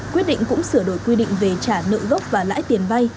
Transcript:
quyết định cũng sửa đổi quy định về trả nợ gốc và lãi tiền vay